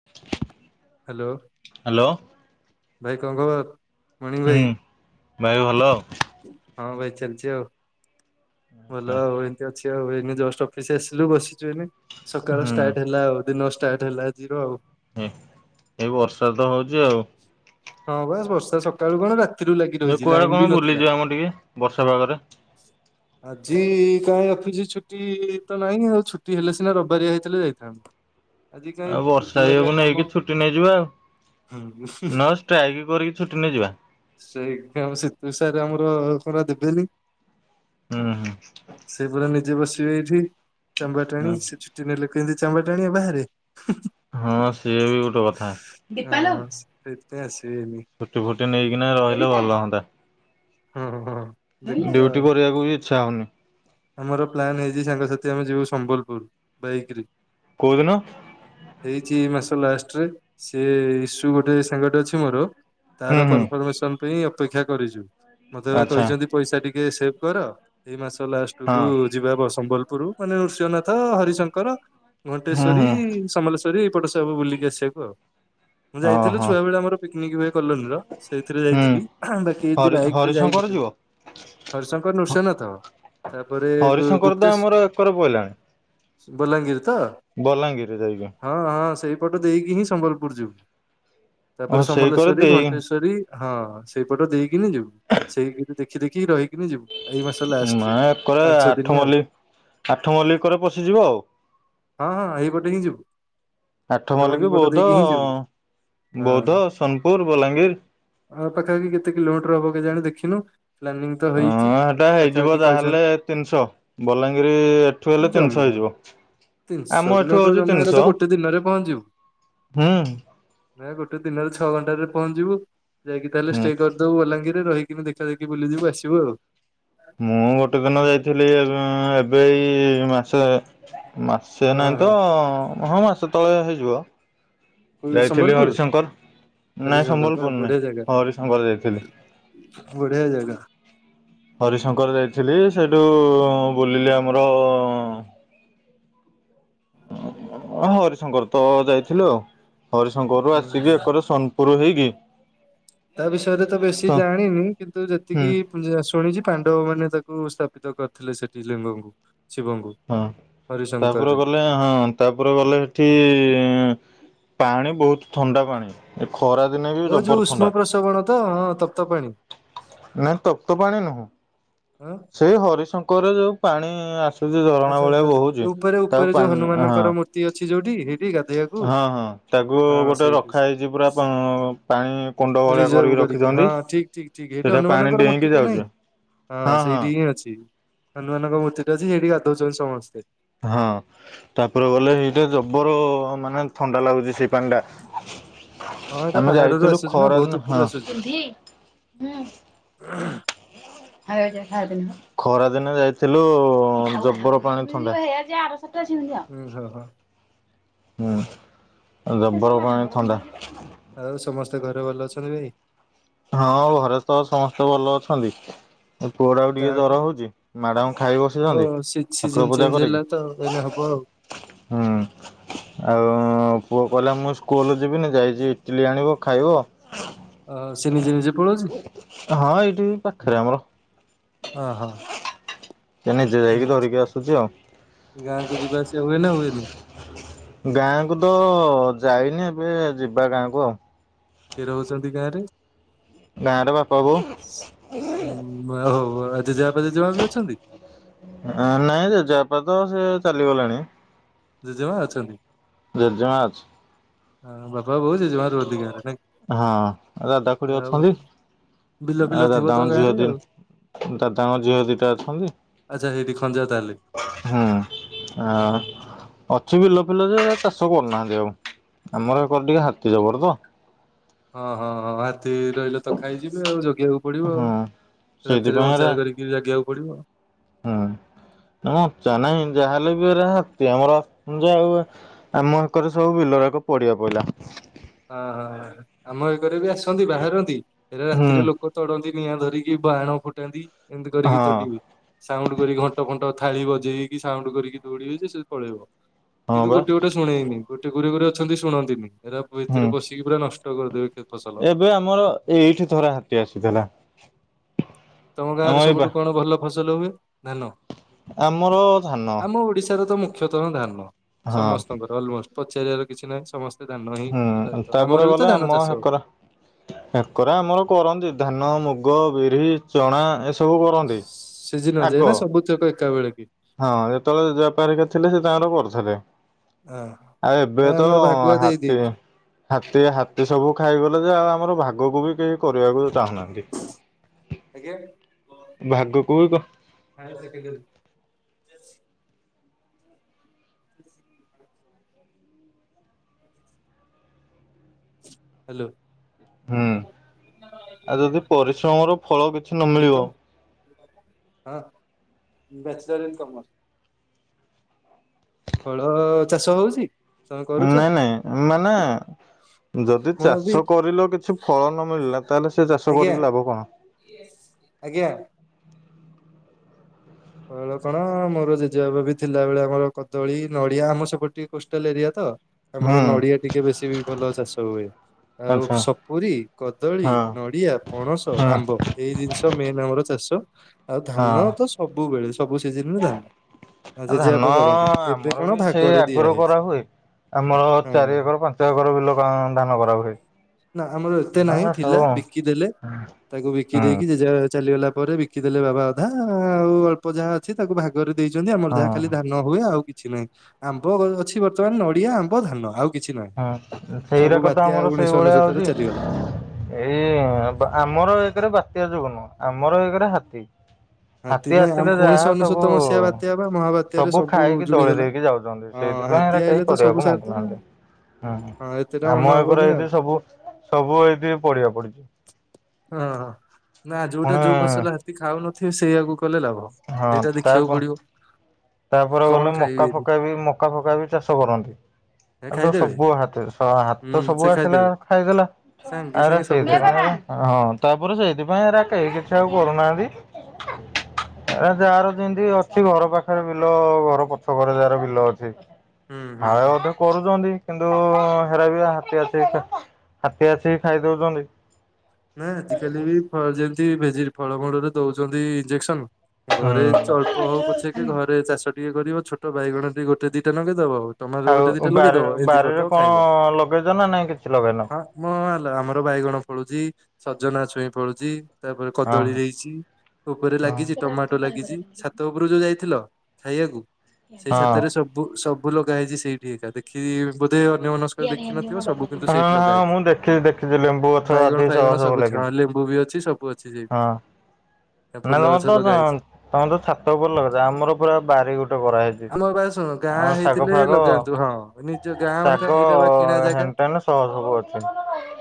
[unintelligible] Hello, hello ଭାଇ କଣ ଖବର୍? ହୁଁ, ଭାଇ ଭଲ। ହଁ ଭାଇ ଚାଲିଛି ଆଉ, ଆଛା ଭଲ ଆଉ ଏ ଅଛି ଆଉ ଏଇନେ ଜଷ୍ଟ ଅଫିସ ଆସିଲୁ, ବସିଛୁ ଏଇନେ ସକାଳ ହୁଁ। ଷ୍ଟାର୍ଟ ହେଲା ଆଉ। ଦିନ ଷ୍ଟାର୍ଟ ହେଲା ଆଜିର ଆଉ। ଏ ଏଇ ବର୍ଷା ତ ହଉଛି ଆଉ। ହଁ ବା ବର୍ଷା ସକାଳୁ କଣ ରା ଯେ କୁଆଡେ କଣ ବୁଲିଯିବା ମ ଟିକେ ବର୍ଷା ପାଗରେ? ଆଜି କାଇଁ ଅଫିସ ଛୁଟି ତ ନାହିଁ ଆଉ, ଛୁଟି ହେଲେ ସିନା ରବିବାରିଆ ହେଇଥିଲେ ଯାଇଥାନ୍ତୁ। ଆଜି କାହିଁ ଆଉ ବର୍ଷା ବୁଧବାରିଆ ଇଏକୁ କାମ। ନେଇକି ଛୁଟି ନେଇଯିବା ଆଉ, ହୁଁ ନଷ୍ଟ ଟ୍ରାଇଗ କରିକି ଛୁଟି ନେଇଯିବା। ସେଇ ଏକାମ ସୀତୁ ସାର୍ ଆମର ପରା ଦେବେନି। ହୁଁ ହୁଁ। ସେ ପୁରା ନିଜେ ବସିବ ଏଠି, ଚାମ୍ବର ଟାଣି ସେ। ଛୁଟି ନେଲେ କେମିତି ଚାମ୍ବା ଟାଣିବେ ବାହାରେ। ହଁ ସିଏ ବି ଗୋଟେ କଥା। ଦୀପା ଲୋ ସେଇତି ପାଇଁ ଆସିବେନି ‌। ଛୁଟି ଫୁଟି ନେଇକିନା ରହିଲେ ଭଲ ହଅନ୍ତା। ହଁ ହଁ। ଦେଖିବା ଆଉ। ଡିୟୁଟି କରିବାକୁ ବି ଇଚ୍ଛା ହଉନି। ଆମର ପ୍ଲାନ୍ ହେଇଛି ସାଙ୍ଗସାଥି ଆମେ ଯିବୁ ସମ୍ବଲପୁର ବାଇକରେ। କୋଉ ଦିନ? ହେଇଛି ଏ ମାସ ଲାଷ୍ଟରେ, ସେଏ ଇସୁ ଗୋଟେ ସାଙ୍ଗଟେ ଅଛି ମୋର ହୁଁ ତାର ହୁଁ କନଫର୍ମେସନ ପାଇଁ ଅପେକ୍ଷା କରିଛୁ। ମତେ ବା ଆଚ୍ଛା। କହିଛନ୍ତି ପଇସା ଟିକେ ସେଭ କର, ଏଇ ମାସ ଲାଷ୍ଟ ହଁ କୁ ଯିବା ହବ ସମ୍ବଲପୁର ମାନେ ନୃସିଂହନାଥ, ହରିଶଙ୍କର, ହୁଁ ଘଣ୍ଟେଶ୍ଵରୀ, ହୁଁ ସମଲେ କରି ଏଇପଟ ସବୁ ବୁଲିକି ଆସିଆକୁ ଆଉ, ମୁଁ ଯାଇଥିଲୁ ଓହୋ ଛୁଆବେେଳେ ଆମର ପିକନିକ୍ ହୁଏ କଲୋନୀର। ସେଇଥିରେ ହୁଁ ଯାଇଥିଲି ବାକି ଏ ଦି ହରି ବାଇକ ରେ ଯାଇନି ହରିଶଙ୍କର କେବେ। ଯିବ? ହରିଶଙ୍କର, ନୃସିଂହନାଥ ତାପରେ ହରିଶଙ୍କର ତ ଆମର ଏକର ପଇଲାଣି ଗୁପ୍ତେଶ ବଲାଙ୍ଗୀର ତ? ବଲାଙ୍ଗୀର ଯାଇକି। ହଁ ହଁ ସେଇପଟ ଦେଇକି ହିଁ ସମ୍ବଲପୁର ଯିବୁ, ହଁ ତାପରେ ସେଇ କରେ ସମଲେଶ୍ଵରୀ, ଦେଇ ଘଣ୍ଟେଶ୍ଵରୀ। ହଁ ହଁସେଇପଟ ଦେଇକିନି ଯିବୁ ସେଇ ଦେଖି ଦେଖିକି ରହିକିନି ଯିବୁ ଏଇ ମାସ ମା ଲାଷ୍ଟରେ। କରେ ପାଞ୍ଚ ଦିନି ଆଠ ଆଉ। ମଲ୍ଲ ଆଠ ମଲ୍ଲ କରେ ପଶିଯିବ ଆଉ। ହଁ ହଁ ଏଇପଟେ ହିଁ ଯିବୁ। ଆଠ ଆଠମଲ୍ଲିକ ମଲ୍ଲିକ ପଟ ବୌଦ୍ଧ, ଦେଇକି ହିଁ ଯିବୁ ବୌଦ୍ଧ, ସୋନପୁର, ବଲାଙ୍ଗୀର। ଆ ପାଖାପାଖି କେତେ କିଲୋମିଟର ହବ କେ ଜାଣି ଦେଖିନୁ ପ୍ଲାନିଂ। ତ ହଁ ହେଇଛି। ସେଟା ହେଇଯିବ ପାଖାପାଖି ଯାହେଲେ କହିଛନ୍ତି ତିନିଶହ ବଲାଙ୍ଗୀର ଏଠୁ ଗଲେ ତିନିଶହ ଜମା ହେଇଯିବ ତିନିଶହ ଆମ ଏଠୁ କିଲୋମିଟର ହଉଛି ଜମା ଏରା ତ ତିନିଶହ। ଗୋଟେ ଦିନରେ ହୁଁ। ନାଁ ଗୋଟେ ଦିନରେ ଛଅ ଘଣ୍ଟାରେ ପହଞ୍ଚିଯିବୁ ଯାଇକି ତାହେଲେ ହୁଁ ଷ୍ଟେ କରିଦବୁ ବଲାଙ୍ଗୀରେ ରହିକି କିମେ ଦେଖା ଦେଖି ବୁଲିଯିବ ଆସିବୁ ଆଉ। ମୁଁ ଗୋଟେ ଦିନ ଯାଇଥିଲି ଏବେ ଏବେଇ ମାସେ ମାସେ ହଁ ହଁ ନାହିଁ ତ, ହଁ। ହଁ ମାସେ ତଳେ ହେଇଯିବ। କୋଉ ଯାଇଥିଲି ସମ୍ବଲପୁର ହରିଶଙ୍କର ନାଇଁ ହରିଶଙ୍କର ହଁ ସମ୍ବଲପୁର ନାଇଁ, ବଢିଆ ଜାଗା ହରିଶଙ୍କର ଯାଇଥିଲି। ବଢିଆ ଜାଗା ହରିଶଙ୍କର ଯାଇଥିଲି ସେଇଠୁ ବୁଲିଲି ଆମର ହରିଶଙ୍କର ତ ଯାଇଥିଲୁ ଆଉ ହରିଶଙ୍କରରୁ ହୁଁ। ଆସିକି ଏକର ସ ପୁର ହେଇକି। ତା ବିଷୟରେ ତ ବେଶୀ ହୁଁ ଜାଣିନି କିନ୍ତୁ ଯେତିକି ଶୁଣିଛି ପାଣ୍ଡବ ମାନେ ତାକୁ ସ୍ଥାପିତ କରିଥିଲେ ସେଠି ଲିଙ୍ଗଙ୍କୁ ଶିବଙ୍କୁ। ହଁ ତାପରେ ହରିଶଙ୍କରରେ ଗଲା ହଁ ତାପରେ ଗଲେ ସେଠି ପାଣି ବହୁତ ଥଣ୍ଡା ପାଣି। ଏ ଖରା ଦିନେ ବି ଓ ଯୋଉ ଜବର ଉଷ୍ମ ଥଣ୍ଡା। ପ୍ରସବଣ ତ ହଁ ତପ୍ତ ପାଣି। ନାଇ ତପ୍ତ ପାଣି ନୁହଁ ହଁ ସେ ହରିଶଙ୍କରରେ ଯୋଉ ପାଣି ଆସ ସେ ଝରଣା ଆଚ୍ଛା ଆଚ୍ଛା ଭଳିଆ ଆଚ୍ଛା ବହୁଛି ଉପରେ ତା ଉପରେ ଯୋଉ ପାଣି ହଁ ହନୁମାନଙ୍କର ମୂର୍ତ୍ତି ଅଛି ଯୋଉଠି ସେଇଠି ଗାଧେଇବାକୁ। ହଁ ହଁ। ତାକୁ ହଁ ଗୋଟେ ସେଇଠି। ରଖା ହେଇଛି ପୁରା ପାଣି କୁଣ୍ଡ ଭଳିଆ ରିଜର୍ଭ କରିକି ହଁ ରଖିଛନ୍ତି। ଠିକ ଠିକ ଠିକ ସେଇଠି ସେଇଟା ପାଣି ହନୁମାନଙ୍କର ଡେଇଁକି ମୂର୍ତ୍ତିଟେ ନାହିଁ ଯାଉଛେ? ହଁ ସେଇଠି ହିଁ ଅଛି ହନୁମାନଙ୍କ ମୂର୍ତ୍ତିଟେ ଅଛି ସେଇଠି ଗାଧଉଛନ୍ତି ସମସ୍ତେ। ହଁ। ତାପରେ ଗଲେ ସେଇଟା ଜବର ମାନେ ଥଣ୍ଡା ଲାଗୁଛି ସେଇ ପାଣି ଟା। ହଁ ଏଇଟା ଆମେ ଯାଇଥିଲୁ ଖରାଦିନ ହଁ। ହ ଖରା ଦିନେ ଯାଇଥିଲୁ ଜବର ପାଣି ଥଣ୍ଡା। ହୁଁ ହୁଁ ହଁ ହଁ ଜବର ପାଣି ଥଣ୍ଡା। ଆଉ ସମସ୍ତେ ଘରେ ଭଲ ଅଛନ୍ତି ଭାଇ? ହଁ ଘରେ ତ ସମସ୍ତେ ଭଲ ଅଛନ୍ତି। ପୁଅଟାକୁ ଟିକେ ଗାଁକୁ ଜର ହଉଛି ମାଡାମ ଖାଇ ବସିଛନ୍ତି। ଠାକୁର ସିଯିନ ପୂଜା ଚେଞ୍ଜ କରିକି ହେଲା ତ ଏଇନେ ହବ ଆଉ ହୁଁ ଆଉ ପୁଅ ଦେଖିବା। କହିଲା ମୋ ସ୍କୁ ସ୍କୁଲ ଯିବିନି ଯାଇଛି ଇଟିଲି ଆଣିବ ଖାଇବ। ଅ ସେ ନିଜେ ନିଜେ ପଳଉଛି ହଁ ଏଇଠି ପାଖରେ ଆମର ଅ ହଁ। ସେ ନିଜେ ଯାଇକି ଧରିକି ଆସୁଛି ଆଉ ଗାଁକୁ ଯିବା ଆସିବା ହୁଏ ନା ହୁଏନି? ଗାଁକୁ ତ ଯାଇନି ଏବେ ଯିବା ଗାଁକୁ ଆଉ କିଏ ରହୁଛନ୍ତି ଗାଁ ରେ? ଗାଁ ରେ ବାପା ବୋଉ। ହଁ ଆ ହଉ ଜେଜେବାପା ଜେଜମା ବି ଅଛନ୍ତି? ନାଇଁ ଜେଜେବାପା ତ ସେ ଚାଲିଗଲେଣି। ଜେଜେମା ଅଛନ୍ତି। ଜେଜେମା ଅଛି। ହଁ ବାପା ବୋଉ ଜେଜେମା ରୁହନ୍ତି ଗାଁରେ। ହଁ ଦାଦା ଖୁଡି ଯାହା ହଉ ଅଛନ୍ତି। ବିଲ ଆ ଫିଲ ଥିବ ତ ଦାଦାଙ୍କର ଝିଅ ଗାଁରେ ଦି ଆଉ ଦାଦାଙ୍କ ଝିଅ ଦିଟା ଅଛନ୍ତି। ଆଚ୍ଛା ହେଇଠି ଖଞ୍ଜା ତାହେଲେ ହୁଁ ଆ ହଁ ହଁ ଅଛି ବିଲ ଫିଲ ଯେ ଚାଷ କରୁନାହାନ୍ତି ଆଉ ଆମର ସେକରେ ଟିକେ ହାତୀ ଜବର ତ, ହଁ ହଁ ହଁ ହାତୀ ରହିଲେ ତ ଖାଇଯିବେ ଆଉ ଜଗେଇିବାକୁ ପଡିବ ଆଉ ହୁଁ ରାତିରେ ସେଇଥିପାଇଁ ଏରା ମଞ୍ଚା କରିକି। କି ଜାଗିବାକୁ ପଡିବ ଆଉ ହୁଁ ମଞ୍ଚା ନାହିଁ ଯାହାହେଲେ ବିହା ଆମର ଯାହା ହୁଏ। ଆମ ହେକରେ ସବୁ ବିଲରାକ ପଡିଆ ପଡିଲା। ଓହୋ ଆମ ଏକରେବି ଆସନ୍ତି ବାହାରନ୍ତି ହେରା ହୁଁ ରାତିରେ ଲୋ କ ତଡ଼ନ୍ତି ନିଆଁ ଧରିକି ବାହଣ ଫୁଟାନ୍ତି ଏମିତି ହଁ କରିକି ତଡିବେ। ସାଉଣ୍ଡ କରିକି ଘଣ୍ଟ ଫଣ୍ଟ ଥାଳି ବଜେଇକି ସାଉଣ୍ଡ କରିକି ଦୌଡିବେଯେ ସେପଳେଇବ। ହଁ କିନ୍ତୁ ବା ଗୋଟେ ଗୋଟେ ଶୁଣେଇନି ଗୋଟେ ଗୁରେ ଘୋରେ ଅଛନ୍ତି ଶୁଣନ୍ତିନି ଏରା ହୁଁ ଭିତରେ ପଶି କିପୁରା ନଷ୍ଟ କରିଦେବେ କେ ଏବେ ଆମର ଏଇଠି ଥରେ ହାତୀ ଆସିଥିଲା। ତମ ଆମ ଗାଁରେ ଏଇ ବା ସବୁଠୁ କଣ ଭଲ ଫସଲ ହୁଏ ଧାନ। ଆମର ଧାନ। ହଁ ଓଡିଶାରେତ ମୁଖ୍ୟତଃ ଧାନ ହଁ ସମସ୍ତଙ୍କର ଅଲମୋଷ୍ଟ ପଚାରିବାର କିଛି ନାହିଁ ସମ ହୁଁ ତାପରେ ଗଲେ ଆମ ଚାଷ ହୁଏ। ହେକରା ହକରା ଆମର କରନ୍ତି, ଧାନ, ମୁଗ, ବିରି, ଚଣା, ଏସ ସିଝିନ ଅଯାଏନା ସବୁ ଚକ ଏକା ବେଳାକି? ହଁ ଯେତେବେଳେ ଜେଜେବାପା ହରିକା ଥିଲେ ସେତାଙ୍କର କରୁଥୁଲେ। ହଁ। ଆଉ ହଁ ଏବେତ ଆମର ଭାଗୁଆ ଦେଇ ହାତୀ ଦେଇଛୁ ହାତୀ ହାତୀ ସବୁ ଖାଇଗଲେଯେ ଆଉ ଆମର ଭାଗକୁବି କେହି କରିବାକୁ ଚାହୁଁନାହାନ୍ତି। ଆଜ୍ଞା। ଭାଗ କୋଉ କ [unintelligible] [unintelligible] ହାଲୋ। ହୁଁ ଆଉ ଯଦି ପରିଶ୍ରମର ଫଳ କିଛି ବିକମ୍ ନମିଳିବ ହଁ ବ୍ୟାଚଲର ଇନ୍ କମର୍ସ। ଫଳ ଚାଷ ହଉଚି? ନାଇଁ ନାଇଁ ମାନେ ଯଦି ମୁଁ ବି ଚାଷ କରିଲ କିଛି ଫଳ ନମିଳିଲା ତାହେଲେ ସେଚାଷ ଆଜ୍ଞା କରିକି ଲାଭ କଣ? ଆଜ୍ଞା। କହଳ କଣ ମୋର ଜେଜେବାବି ଥିଲା ବଳେ ଆମର କଦଳୀ ନଡ଼ିଆ ଆମ ସେପଟ ଟିକେ କୋଷ୍ଟାଲ ଏରିଆତ ହୁଁ ଆମର ନଡ଼ିଆ ଟିକେ ବେଶୀବି ଭଲ ଚାଷ ହୁଏ। ଆଉ, ଆଚ୍ଛା ସପୁରୀ, କଦଳୀ, ହଁ ନଡ଼ିଆ, ପଣସ, ହଁ ଆମ୍ବ। ଏଇ ଜିନିଷ ମେନ୍ ଆମର ଚାଷ ଆଉ ହଁ ଧାନତ ସବୁବେଳେ ସବୁ ସିଜନିରେ ଧାନ। ଆଉ ଧାନ ଜେଜେବାପା କରନ୍ତି ଏବେ କଣ ଆମରବି ସେଇ ଭାଗରେ ଦିଆ ଆଗରୁ ହେଇଛି କରାହୁଏ ଆମର, ହଁ ଚାରି, ଏକର, ପାଞ୍ଚ, ଏକର ବିଲ ଧାନ କରା ହୁଏ। ନା ଆମର ଏତେ ନାହିଁ ଥିଲା ବିକି ଦେଲେ ତାକୁ ବିକି ହୁଁ ଦେଇକି ଜେଜେବାପା ଚାଲିଗଲା ପରେ ବିକି କିଦେଲେ ବାବା ଅଧା ଆଉ ଅଳ୍ପ ଯାହା ଅଛି ତାକୁ ଭାଗରେ ଦେଇଚନ୍ତି ଆମର ଯାହା ଖାଲି ହଁ। ଧାନ ନ ହୁଏ ଆଉ କିଛି ନାହିଁ ଆମ୍ବ ଅଛି ବର୍ତ୍ତମାନ, ନଡ଼ିଆ, ଆମ୍ବ, ଧାନ, ଆଉ କିଛି ନାହିଁ। ହଁ ସବୁ ସେଇରାକତ ବାତ୍ୟା ଆମର ଉଣେଇଶହ ସେଇଭଳିଆ ଅନେଶତରେ ଚାଲିଗଲା ହଉଚି ଏଇ ଆମର ଏଇକରେ ବାତ୍ୟା ଯଗୁନୁ ଆମର ଏକେରେ ହାତୀ। ହାତୀ ନାଇଁ ଆମ ଆସିଲେ ଯାହା ଉଣେଇଶହ ଅନେଶତ ସବୁ ମସିହା ବାତ୍ୟା ବା ମହାବାତ୍ୟାରେ ସବୁ ଖାଇକି ଯୁଡି ଦୋଳି ଦେଲା ଦେଇକି ଯାଉଚନ୍ତି। ହଁ ସେଇଥିପାଇଁ ହାତୀ ହେରା କେହି ଆଇଲେ ତ ସବୁ କରିବାକୁ ସାରିଦେବେ ଆଉ ମାଗୁନାହାନ୍ତି। ହୁଁ ହଁ ଏତେଟା ମନେ ଆମ ଏକରେ ହବନି ଏଠି ଆଉ ସବୁ ସବୁ ଏଇଠି ପଡ଼ିଆ ପଡିଚି। ଓହୋ ନାଆଜି ଗୋଟେ ପୁଣି ଯୋଉ ଫସଲ ତି ଖାଉନଥିବେ ସେଇଆକୁ କଲେ ଲାଭ ହଁ ସେଇଟା ତାପ ଦେଖିବାକୁ ପଡ଼ିବ। ତାପରେ ଗଲେ ମକା ଫକାବି ମକା ଫକାବି ଚାଷ କରନ୍ତି। ଏ ଆଉତ ଖାଇଦେବେ ସବୁ ହାତୀ ହୁଁ ହାତୀତ ସବୁ ସେ ଆସିଲା ଖାଇଦେବେ ଖାଇଦେଲା ସାଙ୍ଗେ ଆଉଏରା ସାଙ୍ଗେ ସବୁ ଖାଇଦେବେ। ସେଇଥିପାଇଁ ଏରା ହଁ ତାପରେ ସେଇଥିପାଇଁ ଏରାକେଇ କିଛି ଆଉ କରୁନାହାନ୍ତି। ଏରାଯାଆର ଯେମିତି ଅଛି ଘର ପା ବିଲ ଘର ପଛକରେ ଯାହାର ବିଲ ଅଛି। ହୁଁ ହୁଁ ଫାଳେ ହୁଁ ଅଧେ କରୁଚନ୍ତି। କିନ୍ତୁ ହେରା ବି ହାତୀ ଆସି ହାତୀ ଆସି ଖାଇ ଦଉଛନ୍ତି। ନା ଆଜିକାଲି ବି ଯେମତି ଭେଜି ଫଳମୂଳରେ ଦଉଚନ୍ତି ଇଞ୍ଜେକ୍ସନ ଘରେ ହୁଁ। ଅଳ୍ପ ହଉ ପଛେ କି ଘରେ ଚାଷ ଟିକେ କରିବ। ଛୋଟ ବାଇଗଣ ଟିକେ ଗୋଟେ ଦିଟା ଲଗେଇ ଦବ ଟମାଟର ଗୋଟେ ଆଉ ଦିଟା ବାରି ଲଗେଇଦବ, ଏମିତି ବାରିରେ କରିଦବ କଣ ଖାଇବ। ଲଗେଇଛ ନା ନାଇଁ କିଛି ଲଗେଇନ? ହଁ ଆଲ ଆମର ବାଇଗଣ ଫଳୁଛି, ସଜନା ଛୁଇଁ ଫଳୁଚି ତାପରେ ହଁ କଦଳୀ ହେଇଛି। ଉପରେ ଲାଗିଛି ଟମାଟୋ ଲାଗିଛି, ହଁ। ଛାତ ଉପରୁ ଯୋଉ ଯାଇଥିଲ। ଖାଇବାକୁ। ସେଇ ଛାତରେ ହଁ ସବୁ ସବୁ ଲଗା ହେଇଚି। ସେଇଠି ଏକା ଦେ ଖି ବୋଧେ ଅନ୍ୟ ମନସ୍କରେ ଦେଖିନଥିବ। ସବୁ କିନ୍ତୁ ସେଇଠି ହଁ ଲଗା ହଁ ହେଇଚି। ମୁଁ ଦେଖିଛି ଦେଖିଛି ଲେମ୍ବୁ ଗଛ ବାଇଗଣ ଅଧିକ ଶହ ବାଇଗଣ ଶହ ସବୁ ଅଛି ହଁ ଲାଗିଛି ଲେମ୍ବୁ ବି ଅଛି ସବୁ ଅଛି। ହଁ। ନା ଫୁଲ ଗଛ ତମର ଲଗା ତ ହେଇଛି। ତମେ ତ ଛାତ ଉପରେ ଲଗେଇଛ, ଆମର ପୁରା ବାରି ଗୋଟେ କରାହେଇଚି। ଆମ ବା ଶୁଣ ଗାଁ ହେଇଥିଲେ ଲଗାନ୍ତୁ, ହଁ ନିଜ ଗାଁ ଘର। ଏଇଟା ବା କିଣା ଜାଗା। କାହିଁ ନାଁ ସହର ସବୁ ଅଛି।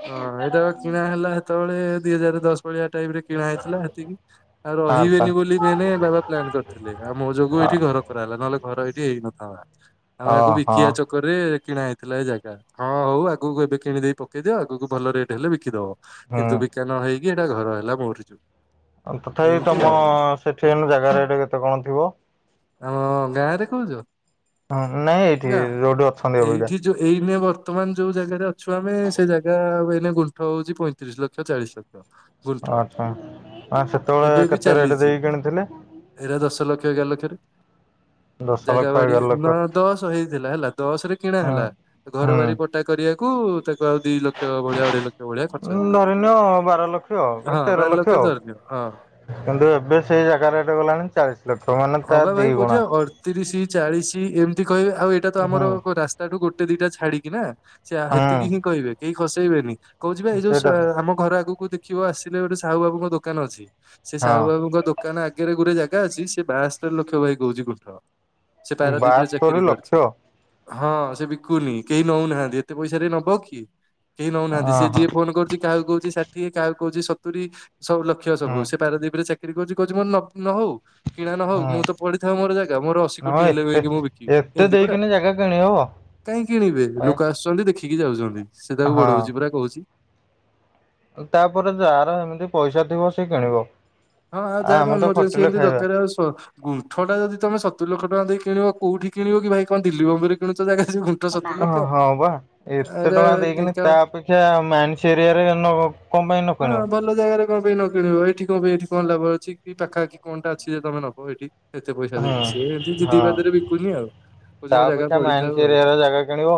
ହଁ ଏଇଟା ପା କିଣା ହେଲା ସେତେବେଳେ ଦିଇ ହଜାର ଦଶ ଭଳିଆ ଟାଇପ ରେ କିଣା ହେଇଥିଲା ସେତିକି। ଆଉ ଆଚ୍ଛା ରହିବେନି ବୋଲି ମେନ୍ ବାବା ପ୍ଲାନ୍ କରିଥିଲେ। ଆଉ ମୋ ଯୋଗୁ ଏଠି ଘର ହେଲା। ନହେଲେ ଘର ଏଇଠି ହେଇଥାନ୍ତା। ଆମେ ଆକୁ ଓହୋ ବିକିବା ଚ ରେ କିଣା ହେଇଥିଲା ଏ ଜାଗା। ହଁ, ହଉ ଆଗକୁ ଏବେ କିଣିଦେଇ ପକେଇଦିଅ ଆଗକୁ ଭଲ ରେଟ ହେଲେ ବିକିଦବ। ହୁଁ। କିନ୍ତୁ ବିକା ନ ହେଇକି ଏଇଟା ଘର ହେଲା ମୋର ଯୋଗୁଁ। ତଥାପି ତମ ସେଠି ଏଇନେସଜାଗା ରେଟ୍ କେତେ କଣ ଥିବ? ଆମ ଗାଁ ରେ କହୁଚୁ? ହୁଁ, ନାଇଁ ଏଇଠି ଯୋଉଠି ଅଛନ୍ତି ଅବିକା। ଏଇଠି ଯୋଉ ଏଇନେ ବର୍ତ୍ତମାନ ଯୋଉ ଜାଗାରେ ଅଛୁ ଆମେ ସେଇ ଜାଗା ଆଉ ଏଇନେ ଗୁଣ୍ଠ ହଉଚି ପଇଁତିରିଶ ଲକ୍ଷ, ଚାଳିଶ ଲକ୍ଷ। ଗୁଣ୍ଠ ଅହଃ। ଏବେ ବି ଚାଲିଛି। ଏରା ଦଶ ଲକ୍ଷ, ଏଗାର ଲକ୍ଷରେ ଦଶ ଜାଗା ଲକ୍ଷ ବାଡି, ଏଗାର ଲକ୍ଷ ନା ଦଶ ହେଇଥିଲା ହେଲା ଦଶ ରେ କିଣା ହୁଁ ହେଲା। ଘର ହୁଁ। ବାରି ପ ଟା କରିବାକୁ ତାକୁ ଆଉ ଦି ଲକ୍ଷ ଭଳିଆ, ଅଢ଼େଇ ଲକ୍ଷ ଭଳିଆ ଖର୍ଚ୍ଚ ହେଲା। ଧରି ନିଅ ବାର ଲକ୍ଷ ହଉ ହଁ ତେର ବାର ଲକ୍ଷ ଆଉ। ଧରିନିଅ ହଁ। କିନ୍ତୁ ଏବେ ସେଇ ଜାଗାରେ ରେଟେ ଗଲାଣି ଚାଳିଶ ଲକ୍ଷ। ମାନେ ତା ଦି ଗୁଣା। ତିରିଶ ଚାଳିଶ ଏମିତି କହିବେ। ଆଉ ଏଇଟା ତ ହୁଁ ଆମର ରାସ୍ ତାଠୁ ଗୋଟେ ଦିଟା ଛାଡ଼ି କି ନା। ସେ ହୁଁ ହେତିକି ହିଁ କହିବେ କେହି ଖସେଇବେନି। କହୁଛିି ବା ଏଇ ଯୋଉ ସେଇଟା ତ ଆମ ଘର ଆଗକୁ ଦେଖିବ ଆସିଲେ ଗୋଟେ ସାହୁ ବାବୁଙ୍କ ଦୋକାନ ଅଛି। ସେ ସାହୁ ହଁ ବାବୁଙ୍କ ଦୋ ଦୋକାନ ଆଗେରେ ଗୋଟେ ଜାଗା ଅଛି ସେ ବାଆସ୍ତୋରି ଲକ୍ଷ ଭାଇ କହୁଛି ଗୁଣ୍ଠ। ସେ ପାରାଦ୍ବୀପରେ ବାସ୍ତୋରି ଚାକିରି ଲକ୍ଷ କରିଚି। ହଁ, ସେ ବିକୁ ନି। କେହି ନଉନାହାନ୍ତି। ଏତେ ପଇସାରେ ନବ କିଏ? କେହି ଅହ ନଉନାହାନ୍ତି। ସେ ଫୋନ୍ କରୁଛି କାହାକୁ କହୁଛି ଷାଠିଏ, କାହାକୁ କହୁଛି ସତୁରି ସେ ଲକ୍ଷ୍ ହୁଁ ସବୁ। ସେ ପାରଦୀପରେ ଚା କିରି କରୁଚି କହୁଚି ମୋର ନ ହଉ। କିଣା ନ ହଉ ହୁଁ ମୁଁ ତ ପଡିଥାଉ ମୋର ଜାଗା। ମୋର ଅଶୀ ନା କୋଟି ମ ହେଲେ ଏତେ ମୁଁ ବିକିବି। ଏତେ ଏମିତି ପରା। ଦେଇକିନି ଜାଗା କିଣି ହବ କାହିଁ କିଣିବେ? ଏ ଲୋକ ଆସୁଛନ୍ତି ଦେଖିକି ଯାଉଛନ୍ତି ସିଏ ତାକୁ ବଢ଼ଉଛି ହଁ ପୁରା କହୁଚି। ତାପରେ ଯାହାର ଏମିତି ପଇସା ଥିବ ସେ କିଣିବ। ହଁ ଆଉ ଆ ଯାହା ଆମେ ତ ଏମର୍ଜେନ୍ସି ଖଟିଲେ ଏମିତି ଖାଇବା ଦରକାର ଆସ ଗୁଣ୍ଠ ଟା ଯଦି ତେ ସତୁରି ଲକ୍ଷ ଟଙ୍କା ଦେଇକି କିଣିବ, କୋଉଠି କିଣିବ କି ଭାଇ କଣ ଦିଲ୍ଲୀ ବମ୍ବେ ରେ କିଣୁଚ ଜାଗା ସବୁ। ହଁ, ବା। ଏତେ ଟଙ୍କା ଦେଇକିନି, ଢେଙ୍କାନାଳ ତା ଅପେକ୍ଷା ମାଇନ୍ସ ଏରିଆରେ କଣ ପାଇଁ ନ ହଁ କିଣିବ। ଭଲ ଜାଗାରେ କଣ ପାଇଁ ନ କିଣିବ, ଏଇଠି କଣ ପାଇଁ ଏଠି କଣ ଲାଭ ଅଛି କି ପାଖାପାଖି କଣଟା ଅଛି ଯେ ତମେ ନବ ଏଠି। ଏତେ ପଇସା ଦେଇକି। ସିଏ ଏନ୍ତି ହୁଁ ଯିଦି ହଁ ବାଦରେ ବିକୁନି ଆଉ। କହୁଛି ତା ମୋ ଜାଗା ଅପେକ୍ଷା ପଡିଥାଉ ମାଇନ୍ସ ଆଉ ଏରିଆରେ ଜାଗା କିଣିବ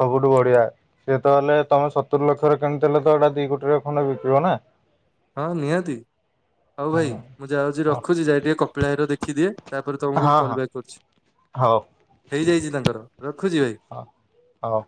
ସବୁଠୁ ବଢିଆ। ସିଏ ତ ହେଲେ ତମେ ସତୁରି ଲକ୍ଷରେ କିଣିଥିଲ ତ ଏଇଟା ଦି କୋଟିର ପୁଣି ବିକିବ ନା। ହଁ ନିହାତି। ହଉ ଭାଇ ମୁଁ ଯାଉଚି, ହଁ ରଖୁଚି ଯାଇ ଟିକେ କପିଳା ଭାଇ ର ଦେଖିଦିଏ। ତାପରେ ତମକୁ କଲ୍ ହଁ ବ୍ୟାକ୍ କରୁଚି। ହଉ ହେଇଯାଇଚି ତାଙ୍କର ରଖୁଚି ଭାଇ। ହ।